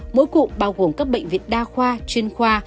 mỗi cụm bao gồm các bệnh viện đa khoa chuyên khoa